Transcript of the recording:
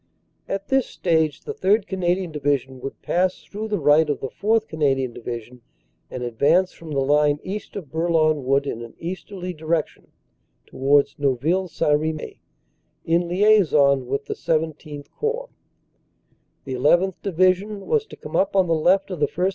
"At this stage the 3rd. Canadian Division would pass through the right of the 4th. Canadian Division and advance from the line east of Bourlon Wood in an easterly direction towards Neuville St. Remy, in liaison with the XVII Corps. "The llth. Division was to come up on the left of the 1st.